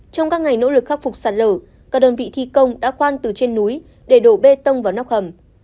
trong các ngày nỗ lực khắc phục sạt lở các đơn vị thi công đã khoan từ trên núi để đổ bê tông vào nóc hầm